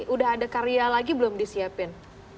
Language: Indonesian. udah ada karya lagi belum disiapin